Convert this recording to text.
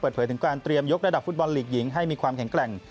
เปิดเผยถึงการเตรียมยกระดับฟุตบอลลีกหญิงให้มีความแข็งแกร่ง